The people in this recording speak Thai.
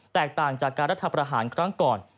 แตกต่างจากการรัฐประหารครั้งก่อน